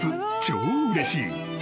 超うれしい］